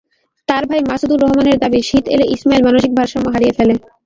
তাঁর ভাই মাসুদুর রহমানের দাবি, শীত এলে ইসমাইল মানসিক ভারসাম্য হারিয়ে ফেলে।